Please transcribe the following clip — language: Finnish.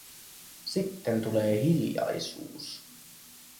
Sitten tulee hiljaisuus.